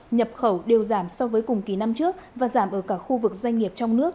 nhập khẩu đều giảm so với cùng kỳ năm trước và giảm ở cả khu vực doanh nghiệp trong nước